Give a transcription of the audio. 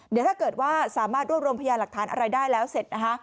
เดี๋ยวถ้าเกิดว่าสามารถรวบรวมพยาหลักฐานอะไรได้แล้วเสร็จนะคะ